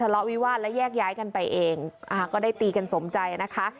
ละวิวาสและแยกย้ายกันไปเองก็ได้ตีกันสมใจนะคะ